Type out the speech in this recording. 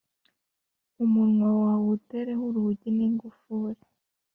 umunwa wawe uwutereho urugi n’ingufuri.